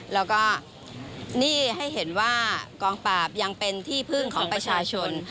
แล้วก็นี่ให้เห็นว่ากองปราบยังเป็นที่พึ่งของประชาชน